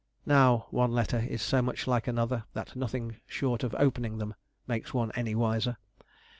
Now one letter is so much like another, that nothing short of opening them makes one any wiser.